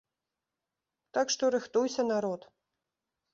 Так што рыхтуйся, народ!